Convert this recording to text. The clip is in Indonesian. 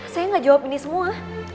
saya nggak jawab ini semua